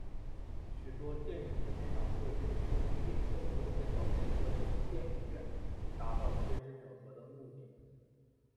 许多电影制片厂会利用并购或建造连锁电影院以达到垂直整合的目的。